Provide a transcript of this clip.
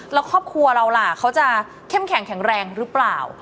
แล้วครอบครัวเราล่ะเขาจะเข้มแข็งแข็งแรงหรือเปล่า